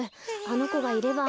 あのこがいれば。